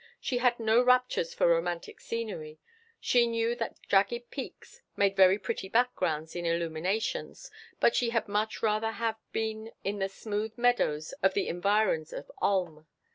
she had no raptures for romantic scenery; she knew that jagged peaks made very pretty backgrounds in illuminations, but she had much rather have been in the smooth meadows of the environs of Ulm.